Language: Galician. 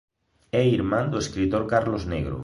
É irmán do escritor Carlos Negro.